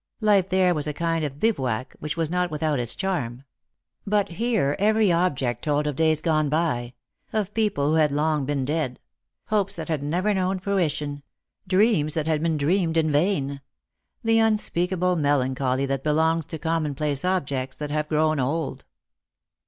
Life there was a kind of bivouac, which was not without its charm. But here every object told of days gone by ; of people who had long been dead; hopes that had never known fruition ; dreams that had been dreamed in vain ; the unspeakable melancholy that belongs to commonplace objects that have grown old.